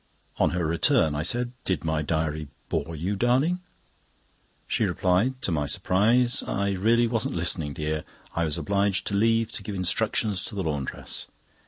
On her return, I said: "Did my diary bore you, darling?" She replied, to my surprise: "I really wasn't listening, dear. I was obliged to leave to give instructions to the laundress.